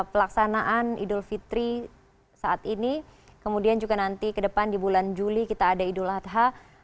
pelaksanaan idul fitri saat ini kemudian juga nanti ke depan di bulan juli kita ada idul adha